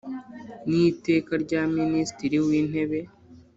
N iteka rya minisitiri w intebe